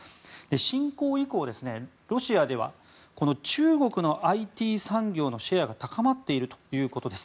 侵攻以降、ロシアでは中国のＩＴ産業のシェアが高まっているということです。